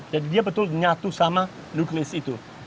jadi dia betul nyatu sama nuklis itu